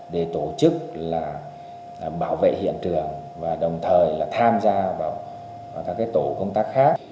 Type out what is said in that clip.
để tổ chức bảo vệ hiện trường và đồng thời tham gia vào các tổ công tác khác